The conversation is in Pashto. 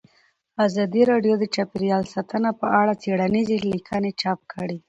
ازادي راډیو د چاپیریال ساتنه په اړه څېړنیزې لیکنې چاپ کړي.